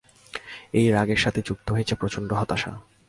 এই রাগের সঙ্গে যুক্ত হয়েছে প্রচণ্ড হতাশা।